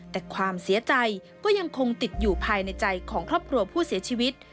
แต่ความเสียใจก็ยังคงติดอยู่ภายในใจของครอบครัวผู้เสียชีวิต